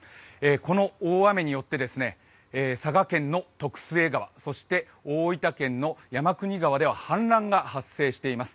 この大雨によって佐賀県の徳須恵川、そして大分県の山国川では氾濫が発生しています。